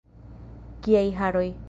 Kiaj haroj!